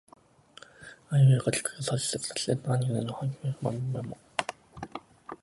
あいうえおかきくけこさしすせそたちつてとなにぬねのはひふへほまみむめも